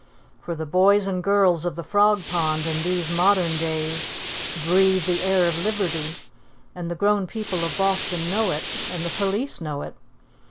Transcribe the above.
For the boys and girls of the Frog Pond in these modern days "breathe the air of liberty"; and the grown people of Boston know it, and the police know it.